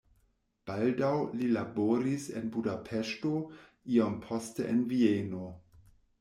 Baldaŭ li laboris en Budapeŝto, iom poste en Vieno.